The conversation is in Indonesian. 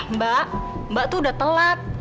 mbak mbak itu udah telat